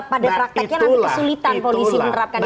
pada prakteknya nanti kesulitan polisi menerapkan itu